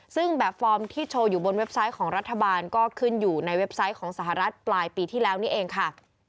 ซึ่งแบบฟอร์มที่โชว์อยู่บนเว็บไซต์ของรัฐบาลก็ขึ้นอยู่ในเว็บไซต์ของสหรัฐปลายปีที่แล้วนี่เองค่ะ